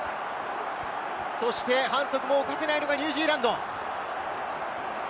そして反則も犯せないのがニュージーランド。